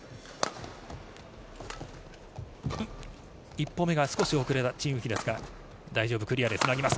１歩目が少し遅れたチン・ウヒですが、大丈夫、クリアです。